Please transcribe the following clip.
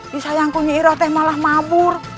di sayangku nyihirot teh malah mabur